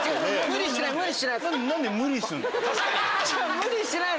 無理してないの。